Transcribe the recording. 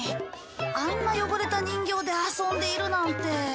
あんな汚れた人形で遊んでいるなんて。